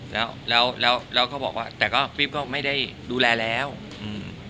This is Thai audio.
แล้วแล้วแล้วเขาบอกว่าแต่ก็ฟิล์ฟก็ไม่ได้ดูแลแล้วอืม